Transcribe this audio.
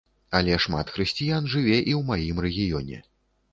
Але шмат хрысціян жыве і ў маім рэгіёне.